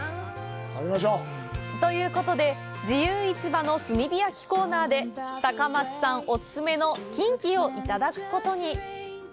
ということで、自由市場の炭火焼きコーナーで高松さんお勧めのキンキをいただくことに。